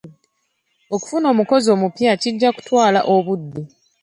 Okufuna omukozi omupya kijja kutwala obudde.